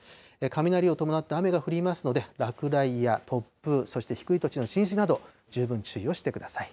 雷を伴った雨が降りますので、落雷や突風、そして低い土地の浸水など、十分注意をしてください。